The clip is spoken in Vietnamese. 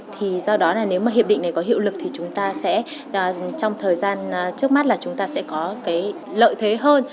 thì do đó là nếu mà hiệp định này có hiệu lực thì chúng ta sẽ trong thời gian trước mắt là chúng ta sẽ có cái lợi thế hơn